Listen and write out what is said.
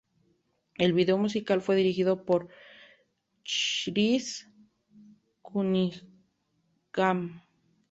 El vídeo musical fue dirigido por Chris Cunningham.